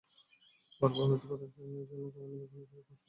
বারবার অনুরোধ করেছে যেন তাদের গণিত পরীক্ষায় অংশগ্রহণের সুযোগ দেওয়া হয়।